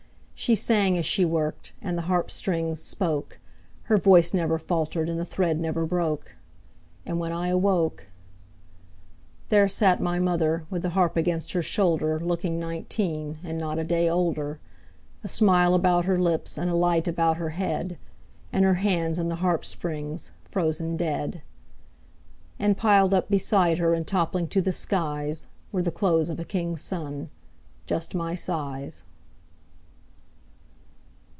She sang as she worked, And the harp strings spoke; Her voice never faltered, And the thread never broke. And when I awoke,– There sat my mother With the harp against her shoulder Looking nineteen And not a day older, A smile about her lips, And a light about her head, And her hands in the harp strings Frozen dead. And piled up beside her And toppling to the skies, Were the clothes of a king's son, Just my size.